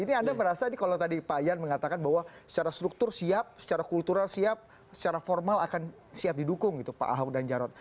ini anda merasa ini kalau tadi pak yan mengatakan bahwa secara struktur siap secara kultural siap secara formal akan siap didukung gitu pak ahok dan jarot